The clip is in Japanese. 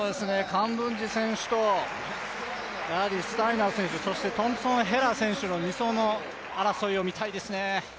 カンブンジ選手とスタイナー選手、そしてトンプソン・ヘラ選手の２走の争いを見たいですね。